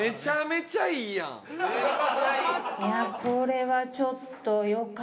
いやこれはちょっと。